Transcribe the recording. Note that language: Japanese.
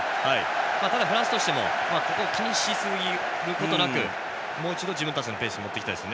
ただ、フランスとしても気にしすぎることなくもう一度自分たちのペースに持っていきたいです。